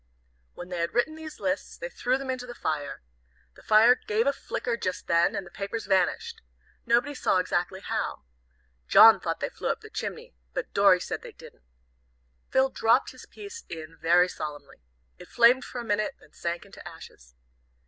When they had written these lists they threw them into the fire. The fire gave a flicker just then, and the papers vanished. Nobody saw exactly how. John thought they flew up chimney, but Dorry said they didn't. Phil dropped his piece in very solemnly. It flamed for a minute, then sank into ashes.